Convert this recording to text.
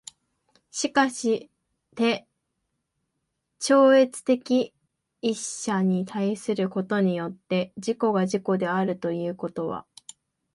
しかして超越的一者に対することによって自己が自己であるということは、